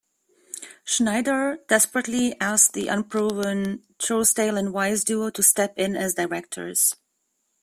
Schneider desperately asked the unproven Trousdale and Wise duo to step in as directors.